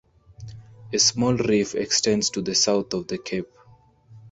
A small reef extends to the south of the cape.